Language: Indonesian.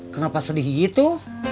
kenapa sedih gitu